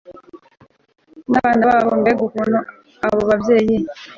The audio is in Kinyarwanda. nabana babo Mbega ukuntu abo babyeyi